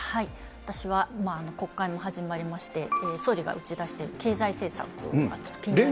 私は国会も始まりまして、総理が打ち出した経済政策が、ちょっと気になります。